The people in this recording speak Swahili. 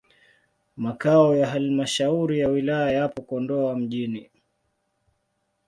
Makao ya halmashauri ya wilaya yapo Kondoa mjini.